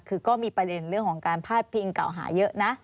คือก็มีประเด็นเรื่องของการพาดพิงเก่าหาเยอะนะ